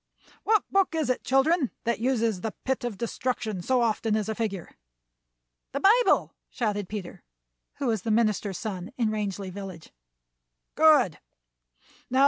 What book is it, children, that uses the 'pit of destruction' so often as a figure?" "The Bible!" shouted Peter, who was the minister's son in Rangeley Village. "Good!